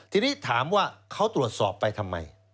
ทีนี้ถามว่าเขาตรวจสอบไปทำไม